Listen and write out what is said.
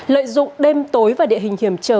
lợi dụng đêm tối và địa hình hiểm trở